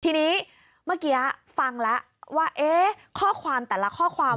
ทีนี้เมื่อกี้ฟังแล้วว่าข้อความแต่ละข้อความ